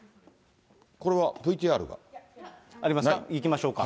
これはＶＴＲが？いきましょうか。